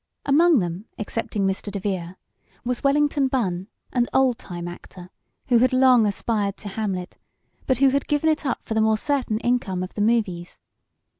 Among them, excepting Mr. DeVere, was Wellington Bunn, an old time actor, who had long aspired to Hamlet, but who had given it up for the more certain income of the movies.